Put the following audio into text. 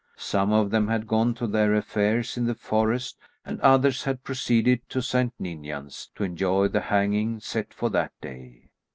Some of them had gone to their affairs in the forest and others had proceeded to St. Ninians, to enjoy the hanging set for that day.